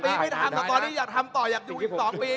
๘ปีไม่ถามตอนนี้จะทำต่ออยากอยู่อีก๒ปี